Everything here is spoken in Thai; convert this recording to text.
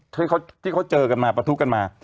ที่เขาเจอกันมาประทุกันมา